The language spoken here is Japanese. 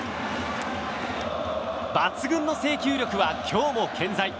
抜群の制球力は今日も健在。